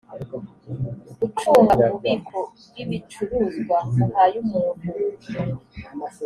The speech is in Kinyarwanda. ucunga ububiko bw ibicuruzwa uhaye umuntu